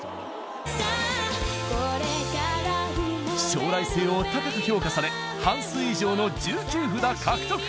将来性を高く評価され半数以上の１９札獲得！